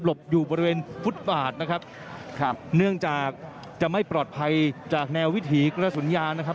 อยู่บริเวณฟุตบาทนะครับครับเนื่องจากจะไม่ปลอดภัยจากแนววิถีกระสุนยางนะครับ